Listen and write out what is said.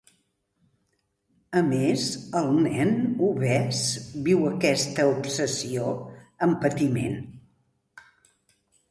A més, el nen obès viu aquesta obsessió amb patiment.